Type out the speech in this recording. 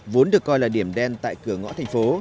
vốn được coi là điểm đen tại cửa ngõ thành phố